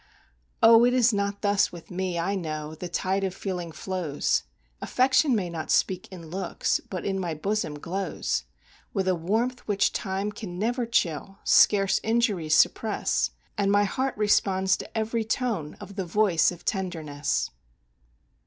Oh! it is not thus with me, I know, the tide of feeling flows; Affection may not speak in looks, but in my bosom glows, With a warmth which time can never chill, scarce injuries suppress, And my heart responds to every tone of the voice of tenderness.